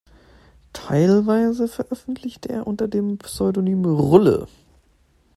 Teilweise veröffentlichte er unter dem Pseudonym Rulle.